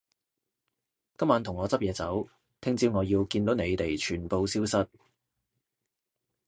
今晚同我執嘢走，聽朝我要見到你哋全部消失